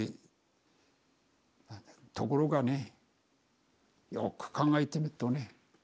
ところがねよく考えてみっとね